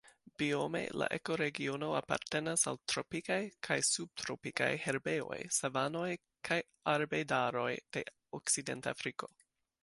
Biome la ekoregiono apartenas al tropikaj kaj subtropikaj herbejoj, savanoj kaj arbedaroj de Okcidentafriko.